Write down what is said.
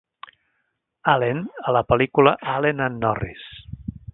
Allen a la pel·lícula "Allen and Norris".